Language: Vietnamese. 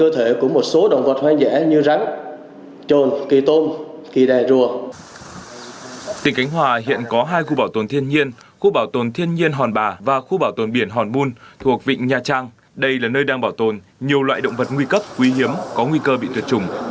tỉnh cánh hòa hiện có hai khu bảo tồn thiên nhiên khu bảo tồn thiên nhiên hòn bà và khu bảo tồn biển hòn bun thuộc vịnh nha trang đây là nơi đang bảo tồn nhiều loại động vật nguy cấp quý hiếm có nguy cơ bị tuyệt chủng